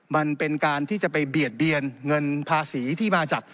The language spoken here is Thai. มันเป็นการที่จะไปเบียดเบียนเงินภาษีที่มาจาก